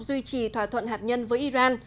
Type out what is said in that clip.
duy trì thỏa thuận hạt nhân với iran